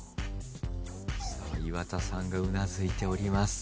岩田さんがうなずいております。